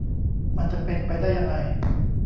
มันจะเป็นไปได้ยังไง